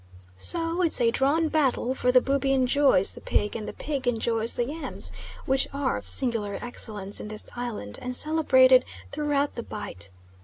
So it's a drawn battle, for the Bubi enjoys the pig and the pig enjoys the yams, which are of singular excellence in this island and celebrated throughout the Bight.